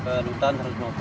ke lutan satu ratus lima puluh